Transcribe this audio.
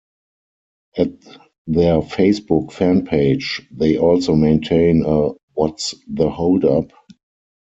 At their Facebook fan page they also maintain a What's The Hold-up?